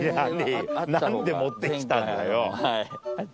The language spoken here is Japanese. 何で持って来たんだよ。